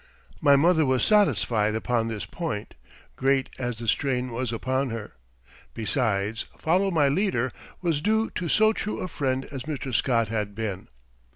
My mother was satisfied upon this point, great as the strain was upon her. Besides, "follow my leader" was due to so true a friend as Mr. Scott had been.